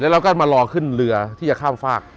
เราก็มารอขึ้นเรือที่จะข้ามฝาก